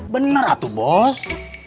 bener atuh bos